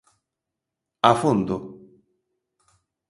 A Fondo.